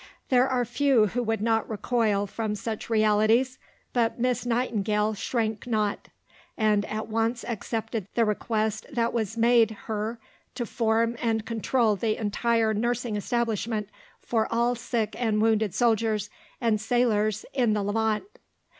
There are few who would not recoil from such realities, but Miss Nightingale shrank not, and at once accepted the request that was made her to form and control the entire nursing establishment for all sick and wounded soldiers and sailors in the Levant.